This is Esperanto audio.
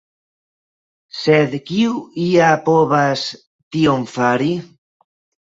Sed kiu ja povas tion fari?